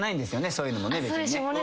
そういうのもね別にね。